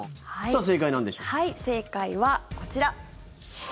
正解は、こちら。